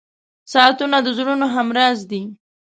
• ساعتونه د زړونو همراز دي.